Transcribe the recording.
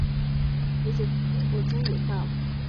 子宝昌。